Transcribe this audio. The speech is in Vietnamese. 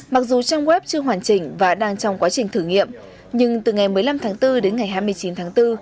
mặc dù trang web chưa hoàn chỉnh và đang trong quá trình thử nghiệm nhưng từ ngày một mươi năm tháng bốn đến ngày hai mươi chín tháng bốn